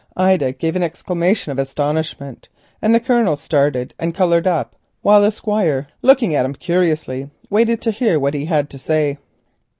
Ida gave an exclamation of astonishment, and the Colonel started, while the Squire, looking at him curiously, waited to hear what he had to say.